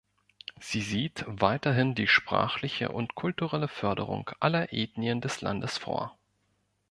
Sie sieht weiterhin die sprachliche und kulturelle Förderung aller Ethnien des Landes vor.